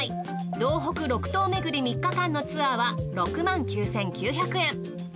道北６湯めぐり３日間のツアーは６９，９００円。